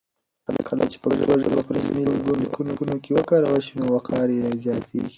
کله چې پښتو ژبه په رسمي لیکونو کې وکارول شي نو وقار یې زیاتېږي.